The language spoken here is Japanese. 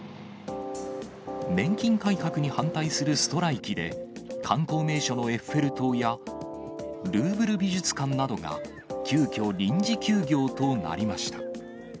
年金改革に反対するストライキで、観光名所のエッフェル塔や、ルーブル美術館などが急きょ、臨時休業となりました。